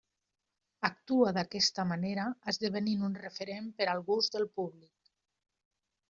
Actua d'aquesta manera esdevenint un referent per al gust del públic.